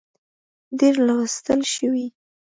ډېر لوستل شوي